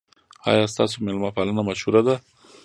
ایا ستاسو میلمه پالنه مشهوره ده؟